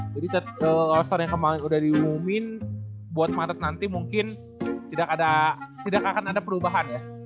jadi roster yang kemarin udah diumumin buat maret nanti mungkin tidak akan ada perubahan ya